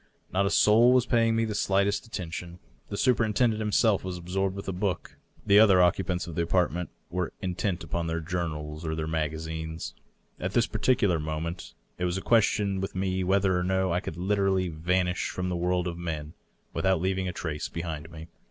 Not a soul was paying me the slightest attention. The superintendent himself was absorbed with a book ; the other occupants of the apartment were in tent upon their journals or their magazines. At this particular moment it was a question with me whether or no I could literally vanish from the world of men without leaving a trace behind me.